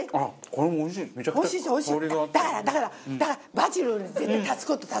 だからだからだからバジルを絶対足す事足す事。